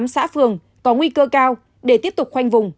hai mươi tám xã phường có nguy cơ cao để tiếp tục khoanh vùng